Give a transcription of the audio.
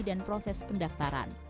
dan proses pendaftaran